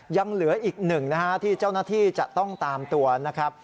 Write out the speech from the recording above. ยังเหลืออีกหนึ่งนะฮะที่เจ้าหน้าที่จะต้องตามตัวนะครับ